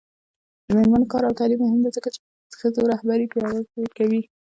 د میرمنو کار او تعلیم مهم دی ځکه چې ښځو رهبري پیاوړې کوي.